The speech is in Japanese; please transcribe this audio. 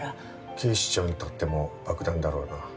警視庁にとっても爆弾だろうな。